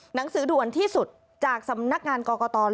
หนังสือด่วนที่สุดจากสำนักงานกรกต